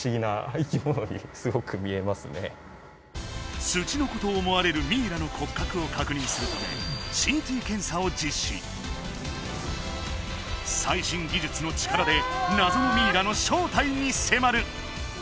これちょっとツチノコと思われるミイラの骨格を確認するためＣＴ検査を実施最新技術の力で謎のミイラの正体に迫る！